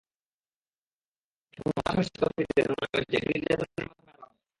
সহ-আসামির স্বীকারোক্তিতে তাঁর নাম এসেছে, এটি নির্যাতনের মাধ্যমে আদায় করা হয়।